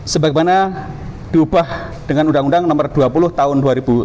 sebagaimana diubah dengan undang undang nomor dua puluh tahun dua ribu sembilan belas